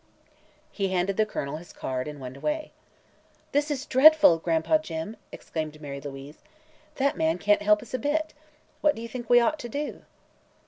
He handed the Colonel his card and went away. "This is dreadful, Gran'pa Jim!" exclaim Mary Louise. "That man can't help us a bit. What do you think we ought to do?"